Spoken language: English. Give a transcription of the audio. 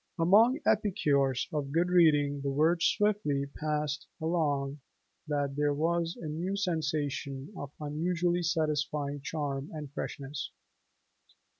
Among epicures of good reading the word swiftly passed along that here was a new sensation of unusually satisfying charm and freshness.